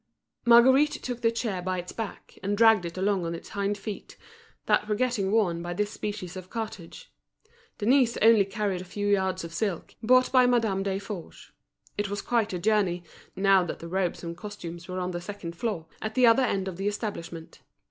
Marguerite took the chair by its back, and dragged it along on its hind feet, that were getting worn by this species of cartage. Denise only carried a few yards of silk, bought by Madame Desforges. It was quite a journey, now that the robes and costumes were on the second floor, at the other end of the establishment.